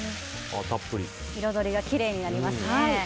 彩りがきれいになりますね。